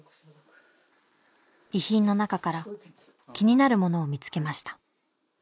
遺品の中から気になるものを見つけました。